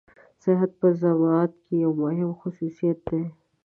صحت په زعامت کې يو مهم خصوصيت دی.